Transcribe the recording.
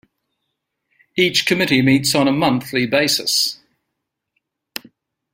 Each committee meets on a monthly basis.